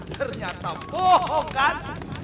ternyata bohong kan